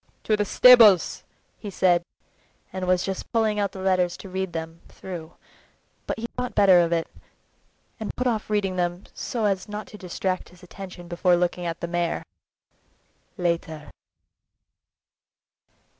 "To the stables!" he said, and was just pulling out the letters to read them through, but he thought better of it, and put off reading them so as not to distract his attention before looking at the mare. "Later!"